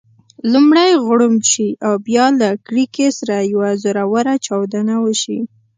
لومړی غړومب شي او بیا له کړېکې سره یوه زوروره چاودنه وشي.